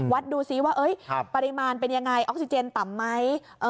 ดูซิว่าปริมาณเป็นยังไงออกซิเจนต่ำไหม